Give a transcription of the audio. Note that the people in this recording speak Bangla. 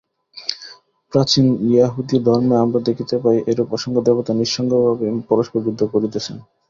প্রাচীন য়াহুদী ধর্মে আমরা দেখিতে পাই, এইরূপ অসংখ্য দেবতা নৃশংসভাবে পরস্পর যুদ্ধ করিতেছেন।